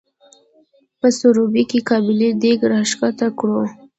په سروبي کې قابلي دیګ راښکته کړو.